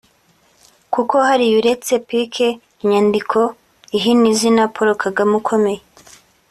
Kuko hariya uretse pk (inyandiko ihina izina Paul Kagame) ukomeye